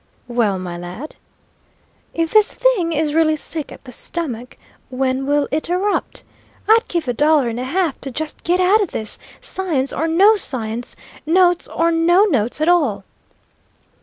"Well, my lad?" "If this thing is really sick at the stomach, when will it erupt? I'd give a dollar and a half to just get out o' this, science or no science, notes or no notes at all!"